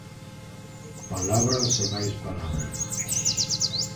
Palabras e máis palabras.